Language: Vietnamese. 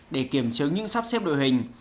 để kiểm chứng những sắp xếp đội hình